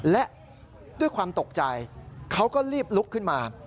และด้วยความตกใจเขาก็รีบลุกขึ้นมา